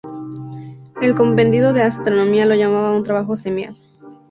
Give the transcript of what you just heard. El Compendio de Astronomía lo llama un "trabajo seminal".